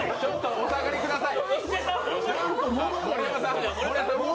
お下がりください！